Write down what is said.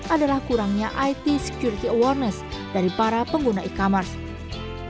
adalah kurangnya it security awareness dari para pengguna e commerce